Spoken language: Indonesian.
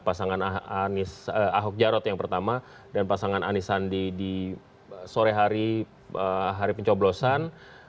pasangan ahok jarot yang pertama dan pasangan anisandi di sore hari pencoblosan